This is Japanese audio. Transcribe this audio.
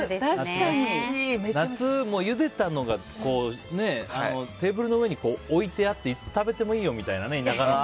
夏、ゆでたのがテーブルの上に置いてあっていつ食べてもいいよみたいな。